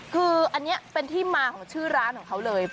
คืออันนี้เป็นที่มาของชื่อร้านของเขาเลย